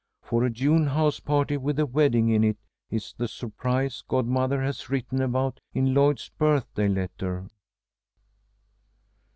For a June house party with a wedding in it is the 'surprise' godmother has written about in Lloyd's birthday letter."